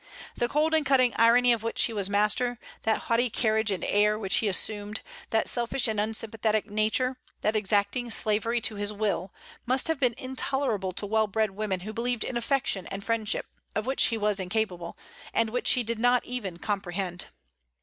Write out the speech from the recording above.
That cold and cutting irony of which he was master, that haughty carriage and air which he assumed, that selfish and unsympathetic nature, that exacting slavery to his will, must have been intolerable to well bred women who believed in affection and friendship, of which he was incapable, and which he did not even comprehend.